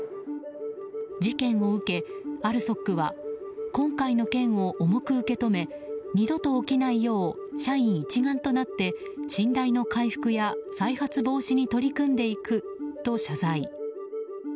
事件を受け、ＡＬＳＯＫは今回の件を重く受け止め二度と起きないよう社員一丸となって信頼の回復や再発防止に取り組んでいくと謝罪。